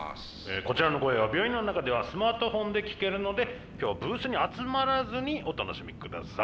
こちらの声は病院の中ではスマートフォンで聴けるので今日はブースに集まらずにお楽しみください。